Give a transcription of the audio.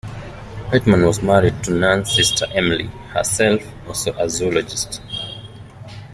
Whitman was married to Nunn's sister Emily, herself also a zoologist.